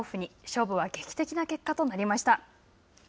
勝負は劇的な結果となりました。